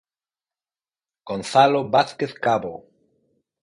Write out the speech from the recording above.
Gonzalo Vázquez Cabo.